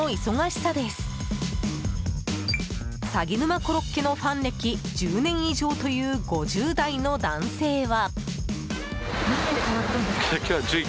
さぎ沼コロッケのファン歴１０年以上という５０代の男性は。